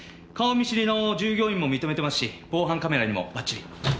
顔見知りの従業員も認めてますし防犯カメラにもばっちり。